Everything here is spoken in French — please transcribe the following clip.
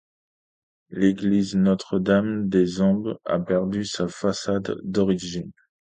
L'église Notre-Dame de Xambes a perdu sa façade d'origine.